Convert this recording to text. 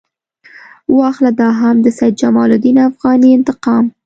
واخله دا هم د سید جمال الدین افغاني انتقام.